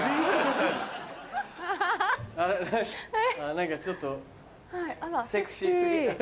何かちょっとセクシー過ぎる。